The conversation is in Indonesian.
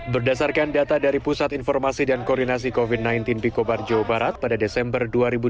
berdasarkan data dari pusat informasi dan koordinasi covid sembilan belas di kobar jawa barat pada desember dua ribu dua puluh